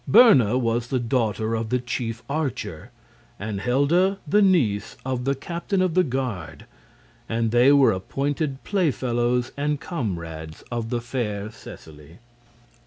Berna was the daughter of the chief archer, and Helda the niece of the captain of the guard, and they were appointed play fellows and comrades of the fair Seseley.